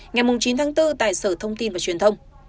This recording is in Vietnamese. ngày chín tháng bốn tại sở thông tin và truyền thông